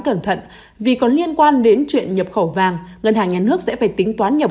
cẩn thận vì còn liên quan đến chuyện nhập khẩu vàng ngân hàng nhà nước sẽ phải tính toán nhập